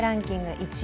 １位